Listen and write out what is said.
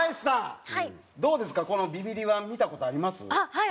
はい。